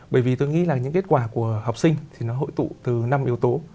bởi vì tôi nghĩ là những kết quả của học sinh thì nó hội tụ từ năm yếu tố